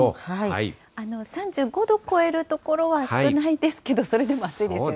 ３５度超える所は少ないですけれども、それでも暑いですよね。